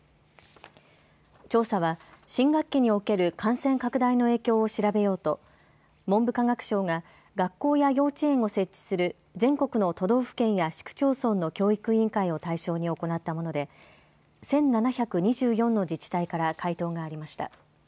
調査は新学期における感染拡大の影響を調べようと文部科学省が学校や幼稚園を設置する全国の都道府県や市区町村の教育委員会を対象に行ったもので１７２４の自治体から回答がありました。